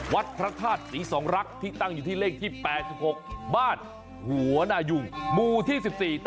วัดพระธาตุศรีสองรักษ์ที่ตั้งอยู่ที่เลขที่๘๖บ้านหัวนายุงหมู่ที่๑๔